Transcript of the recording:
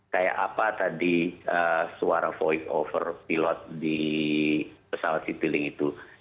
kayak apa tadi suara voice over pilot di pesawat citylink itu